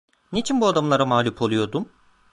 Niçin bu adamlara mağlup oluyordum?